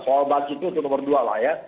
soal banci itu nomor dua lah ya